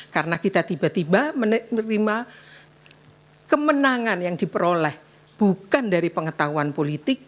karena kita tiba tiba menerima kemenangan yang diperoleh bukan dari pengetahuan politik